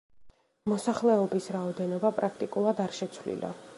მოსახლეობის რაოდენობა პრაქტიკულად არ შეცვლილა.